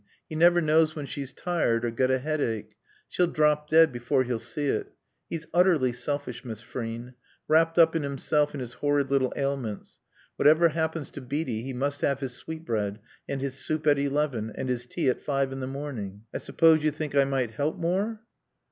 He never knows when she's tired or got a headache. She'll drop dead before he'll see it. He's utterly selfish, Miss Frean. Wrapt up in himself and his horrid little ailments. Whatever happens to Beatie he must have his sweetbread, and his soup at eleven and his tea at five in the morning.. "... I suppose you think I might help more?"